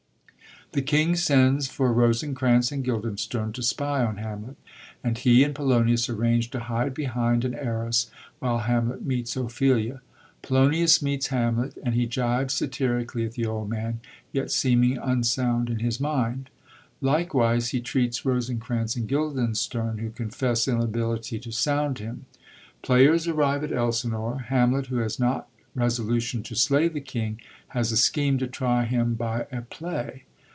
The king sends for Rosencrantz and Guildenstem to spy on Hamlet, and he and Polonius arrange to hide behind an arras while Hamlet meets Ophelia. Polonius meets Hamlet, and he gibes satirically at the old man, yet seeming unsound in his mind. Likewise he treats Hosencrantz and Guildenstern, who confess inability to sound him. Players arrive at Elsinore; Hamlet, who has not resolution to slay the king, has a scheme to try him by a play.